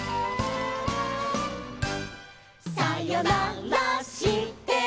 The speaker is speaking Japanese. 「さよならしても」